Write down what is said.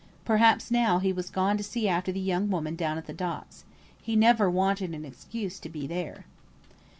Perhaps now he was gone to see after the young woman down at the docks. He never wanted an excuse to be there.